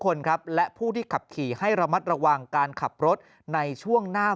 คนครับและผู้ที่ขับขี่ให้ระมัดระวังการขับรถในช่วงหน้า